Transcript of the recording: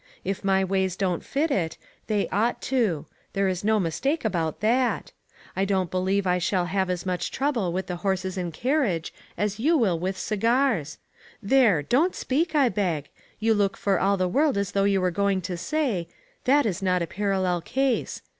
If my ways don't fit it, they ought to; there is DO mistake about that. I don't be 2/O ONE COMMONPLACE DAY. lieve I shall have as much trouble with the horses and carriage as you will with cigars. There ! don't speak, I beg. You look for all the world as though you were going to say: 4 That is not a parallel case.'